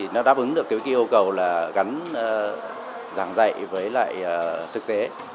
nó đáp ứng được cái yêu cầu là gắn giảng dạy với lại thực tế